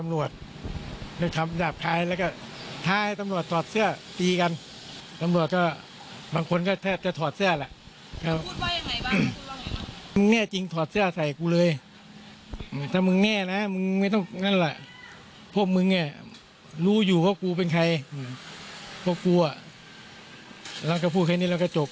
รู้อยู่เพราะกูเป็นใครเพราะกูอะแล้วก็พูดแค่นี้แล้วก็จบ